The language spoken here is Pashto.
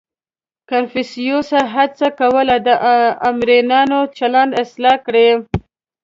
• کنفوسیوس هڅه کوله، د آمرانو چلند اصلاح کړي.